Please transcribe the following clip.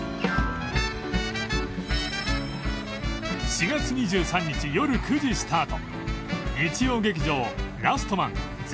４月２３日夜９時スタート